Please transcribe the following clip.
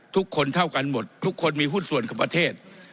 ทุกคนเท่ากันหมดทุกคนมีหุ้นส่วนของประเทศ